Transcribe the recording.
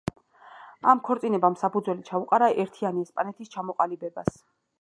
ამ ქორწინებამ საფუძველი ჩაუყარა ერთიანი ესპანეთის ჩამოყალიბებას.